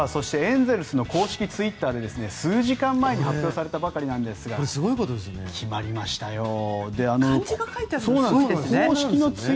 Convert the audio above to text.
エンゼルスの公式ツイッターで数時間前に発表されたばかりですが決まりましたよ。